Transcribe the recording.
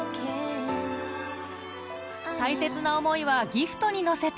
大切な思いはギフトに乗せて